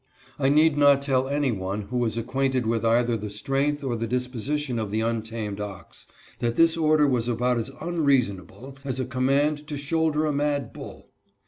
I need not tell any one who is acquainted with either the strength or the disposition of an untamed ox, that this order was about as unreasonable as a command to shoulder a mad bull.